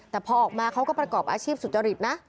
แต่พอออกมาเขาก็ประกอบอาชีพสุจริตนะ